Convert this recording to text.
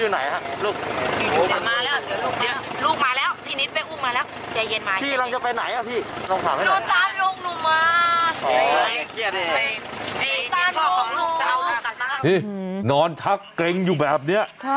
นี่นอนชักเกร็งอยู่แบบนี้